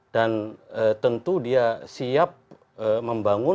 dan tentu dia siap membangun